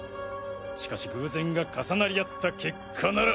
しかし偶然が重なり合った結果なら。